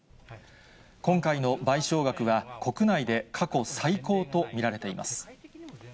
今回の賠償額は、国内で過去最高と見られています。